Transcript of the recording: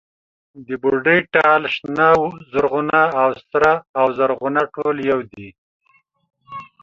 د بوډۍ ټال، شنه و زرغونه او سره و زرغونه ټول يو دي.